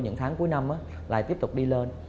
những tháng cuối năm lại tiếp tục đi lên